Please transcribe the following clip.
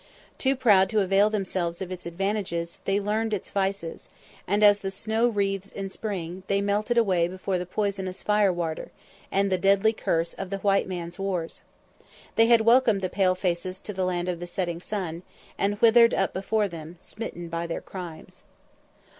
Too proud to avail themselves of its advantages, they learned its vices, and, as the snow wreaths in spring, they melted away before the poisonous "fire water," and the deadly curse of the white man's wars. They had welcomed the "pale faces" to the "land of the setting sun," and withered up before them, smitten by their crimes.